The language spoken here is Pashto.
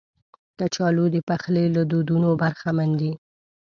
کچالو د پخلي له دودونو برخمن دي